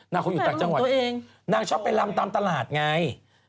คนอยู่ต่างจังหวัดนางชอบไปลำตามตลาดไง